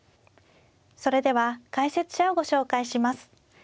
それでは解説者をご紹介します。